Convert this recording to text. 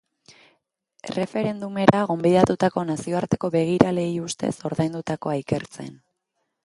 Erreferendumera gonbidatutako nazioarteko begiraleei ustez ordaindutakoa ikertzen dabilen epaileak eman du miatzeko agindua.